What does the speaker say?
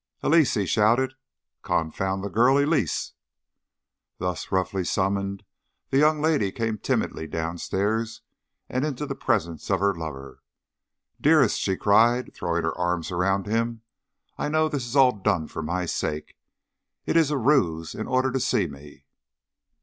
"Elise!" he shouted. "Confound the girl! Elise!" Thus roughly summoned, the young lady came timidly downstairs and into the presence of her lover. "Dearest!" she cried, throwing her arms round him, "I know this is all done for my sake! It is a ruse in order to see me."